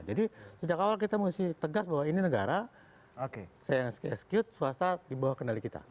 jadi sejak awal kita mesti tegas bahwa ini negara saya yang execute swasta di bawah kendali kita